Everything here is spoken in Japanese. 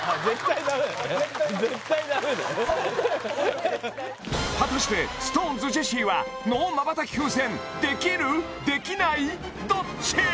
絶対ダメだね果たしてＳｉｘＴＯＮＥＳ・ジェシーはＮＯまばたき風船できるできないどっち？